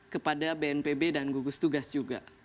kepada bnpb dan gugus tugas juga